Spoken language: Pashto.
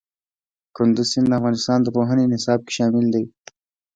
کندز سیند د افغانستان د پوهنې نصاب کې شامل دي.